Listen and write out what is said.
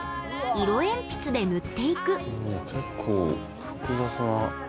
色鉛筆で塗っていく結構複雑な。